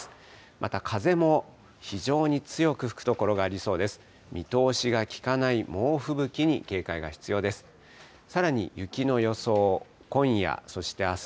また風も非常に強く吹く所がありそうです。